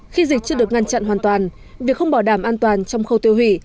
khi dịch chưa được ngăn chặn hoàn toàn việc không bảo đảm an toàn trong khâu tiêu hủy